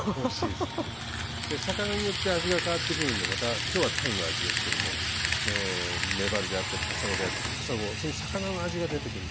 で魚によって味が変わってくるんでまた今日はたいの味ですけどもめばるであったりかさごであったりその魚の味が出てくる。